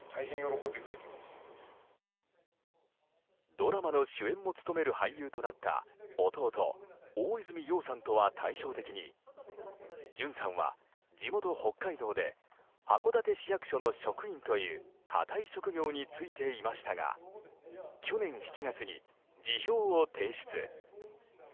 ドラマの主演も務める俳優となった弟・大泉洋さんとは対照的に潤さんは地元・北海道で函館市役所の職員という堅い職業に就いていましたが去年７月に辞表を提出。